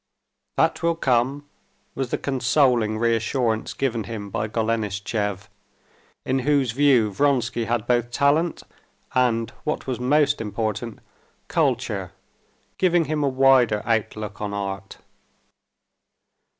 "That will come," was the consoling reassurance given him by Golenishtchev, in whose view Vronsky had both talent, and what was most important, culture, giving him a wider outlook on art.